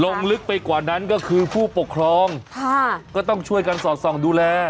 ลงลึกไปกว่านั้นก็คือผู้ปกครองค่ะก็ต้องช่วยกันสอดส่องดูแล